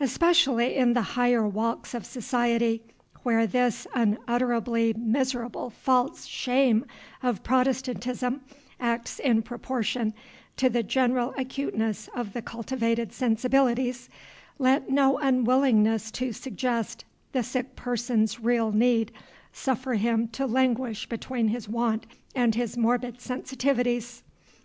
Especially in the higher walks of society, where this unutterably miserable false shame of Protestantism acts in proportion to the general acuteness of the cultivated sensibilities, let no unwillingness to suggest the sick person's real need suffer him to languish between his want and his morbid sensitiveness.